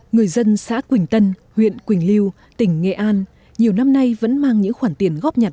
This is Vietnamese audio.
người dân xã quỳnh tân huyện quỳnh lưu tỉnh nghệ an nhiều năm nay vẫn mang những khoản tiền góp nhặt